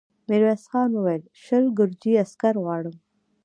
ميرويس خان وويل: شل ګرجي عسکر غواړم.